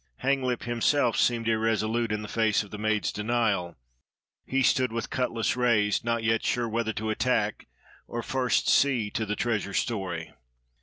Hanglip himself seemed irresolute in the face of the maid's denial; he stood with cutlas raised, not yet sure whether to attack or first see to the treasure story.